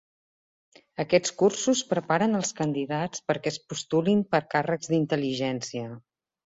Aquests cursos preparen els candidats perquè es postulin per a càrrecs d'intel·ligència.